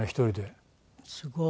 すごい！